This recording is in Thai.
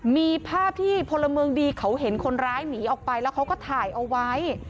มีภาพที่พลเมืองดีเขาเห็นคนร้ายหนีออกไปแล้วเขาก็ถ่ายเอาไว้